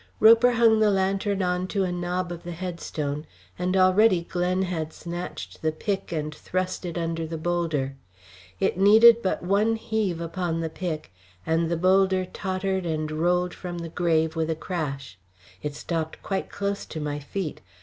Roper hung the lantern on to a knob of the headstone; and already Glen had snatched the pick and thrust it under the boulder. It needed but one heave upon the pick, and the boulder tottered and rolled from the grave with a crash. It stopped quite close to my feet.